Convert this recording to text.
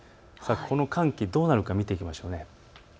この寒気、どうなるか見ていきましょう。